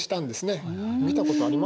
見たことありますか？